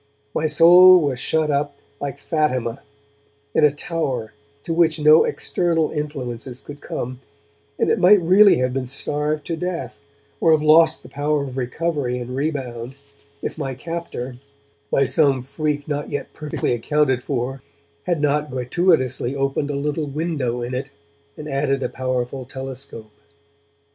My soul was shut up, like Fatima, in a tower to which no external influences could come, and it might really have been starved to death, or have lost the power of recovery and rebound, if my captor, by some freak not yet perfectly accounted for, had not gratuitously opened a little window in it and added a powerful telescope.